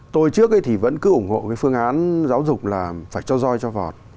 tôi trước ấy thì vẫn cứ ủng hộ cái phương án giáo dục là phải cho roi cho vọt